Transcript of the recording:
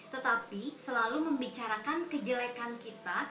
tetapi selalu membicarakan kejelekan kita